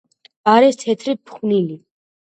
არის თეთრი ფხვნილი.